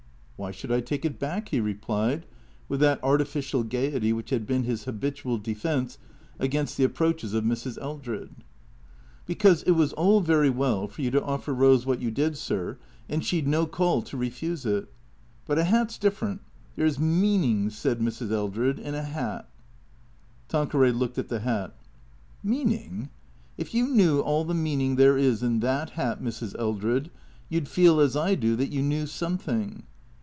" Why should I take it back ?" he replied, with that artificial gaiety which had been his habitual defence against the ap proaches of Mrs. Eldred. " Because, it was all very well for you to offer Rose wot you did, sir, and she 'd no call to refuse it. But a 'at 's dif ferent. There 's meanin'," said Mrs. Eldred, " in a 'at." Tanqueray looked at the hat. "Meaning? If you knew all the meaning there is in that hat, Mrs. Eldred, you 'd feel, as I do, that you knew something.